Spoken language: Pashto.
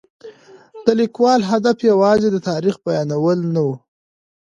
د لیکوال هدف یوازې د تاریخ بیانول نه و.